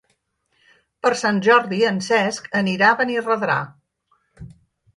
Per Sant Jordi en Cesc anirà a Benirredrà.